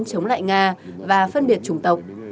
chống lại nga và phân biệt chủng tộc